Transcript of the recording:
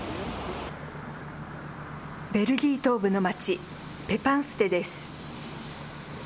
ベルギー東部の町、ペパンステです。